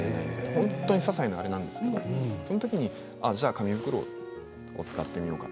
本当にささいなあれなんですけどそのときにじゃあ、紙袋を使ってみようかと。